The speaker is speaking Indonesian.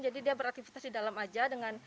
jadi dia beraktivitas di dalam aja